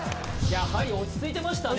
やはり落ち着いてましたね